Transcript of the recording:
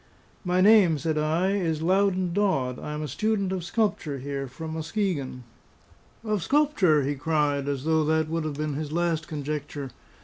"My name," said I, "is Loudon Dodd; I am a student of sculpture here from Muskegon." "Of sculpture?" he cried, as though that would have been his last conjecture.